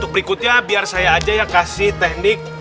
berikutnya biar saya aja yang kasih teknik